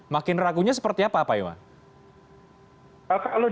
makin ragunya seperti apa pak iwan